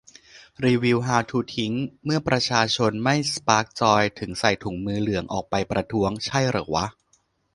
รีวิว ฮาวทูทิ้ง : เมื่อประชาชนไม่ สปาร์คจอย จึงใส่ถุงมือเหลืองออกไปประท้วง ใช่เหรอวะ